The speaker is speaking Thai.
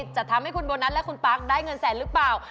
จะทำให้คุณโบนัสและคุณปั๊กได้เงินแสนหรือเปล่า